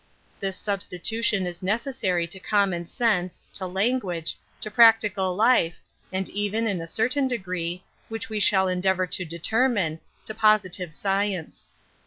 This subsfitntion is necessary to Common sense, to language, to practical 'life, and even, in a certain degree, which we shall endeavor to determine, to posi tive science.